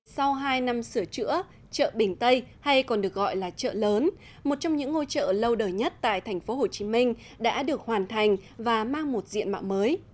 sau hai năm sửa chữa chợ bình tây hay còn được gọi là chợ lớn một trong những ngôi chợ lâu đời nhất tại tp hcm đã được hoàn thành và mang một diện mạo mới